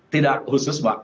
tidak khusus pak